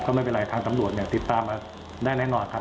ก็ไม่เป็นไรทางตำรวจเนี่ยติดตามมาได้แน่นอนครับ